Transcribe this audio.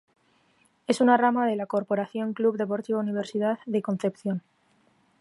Es una rama de la Corporación Club Deportivo Universidad de Concepción.